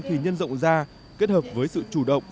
thì nhân rộng ra kết hợp với sự chủ động